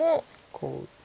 こう打って。